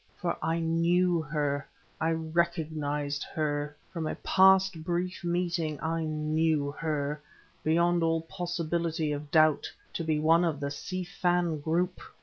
For I knew her I recognized her, from a past, brief meeting; I knew her, beyond all possibility of doubt, to be one of the Si Fan group!